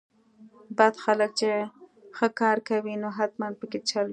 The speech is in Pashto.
بد خلک چې ښه کار کوي نو حتماً پکې چل وي.